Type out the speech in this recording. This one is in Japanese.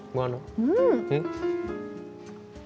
うん！